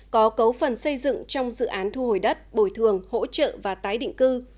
có cấu phần xây dựng trong dự án thu hồi đất bồi thường hỗ trợ và tái định cư